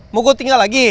mau gue tinggal lagi